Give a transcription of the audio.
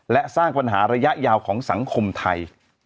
และสร้างปัญหาระยะยาวของสังคมไทย